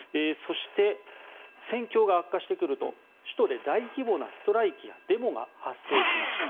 そして、戦況が悪化してくると首都で大規模なストライキやデモが発生しました。